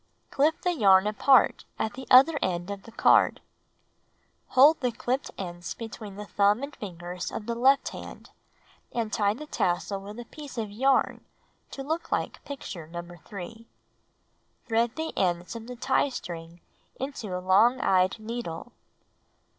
4. Clip the yarn apart at the other edge of the card. Hold the clipped ends between the thumb and fingers of the left hand, and tie the tassel with a piece of yarn, to look like picture No. 3. Thread the ends of the tie string into a long eyed needle.